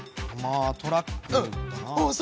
まあトラックだな。